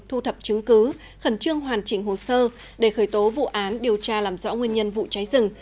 thu thập chứng cứ khẩn trương hoàn chỉnh hồ sơ để khởi tố vụ án điều tra làm rõ nguyên nhân vụ cháy rừng